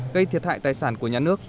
gây thiệt hại tài sản của nhà nước